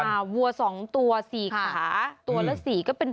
หรือป่าววัว๒ตัว๔ขาตัวละ๔ก็เป็น๘